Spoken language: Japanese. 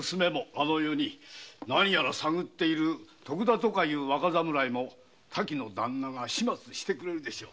何やら探っている徳田とかいう若侍も滝のダンナが始末してくれるでしょう。